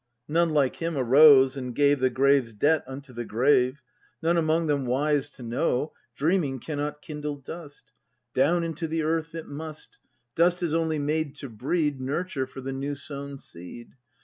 None, like him, arose, and gave The grave's debt unto the grave; None among them wise to know: "Dreaming cannot kindle dust, Down into the earth it must, Dust is only made to breed Nurture for the new sown seed."